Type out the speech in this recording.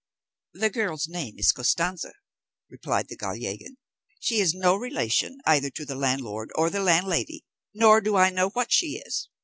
"The girl's name is Costanza," replied the Gallegan; "she is no relation either to the landlord or the landlady, nor do I know what she is.